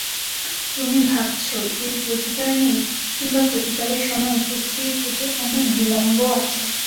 তুমি ভাবছ এর প্রতিকার নেই কিম্বা প্রতিকারের সময় উপস্থিত হতে অনেক বিলম্ব আছে।